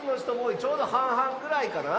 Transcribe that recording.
ちょうどはんはんぐらいかな。